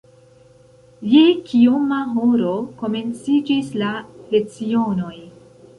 Je kioma horo komenciĝis la lecionoj?